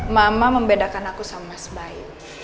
mama membedakan aku sama mas bayi